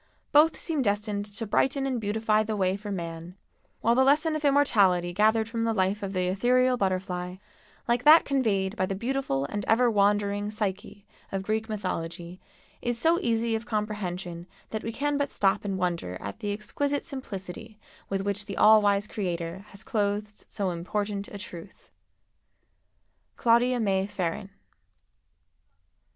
Both seem destined to brighten and beautify the way for man, while the lesson of immortality gathered from the life of the ethereal butterfly, like that conveyed by the beautiful and ever wandering Psyche of Greek mythology, is so easy of comprehension that we can but stop and wonder at the exquisite simplicity with which the all wise Creator has clothed so important a truth. Claudia May Ferrin.